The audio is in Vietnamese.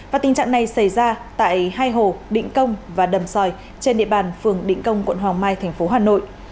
và tình trạng này xảy ra tại hai hồ định công và đầm sòi trên địa bàn phường định công quận hoàng mai thành phố hà nội